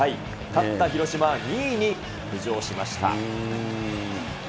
勝った広島は２位に浮上しました。